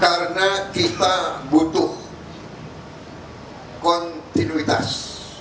karena kita butuh kontinuitas